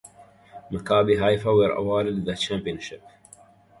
Maccabi Haifa were awarded the championship.